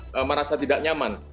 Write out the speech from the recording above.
mereka merasa tidak nyaman